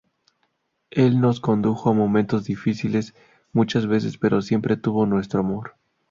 Él nos condujo a momentos difíciles muchas veces pero siempre tuvo nuestro amor.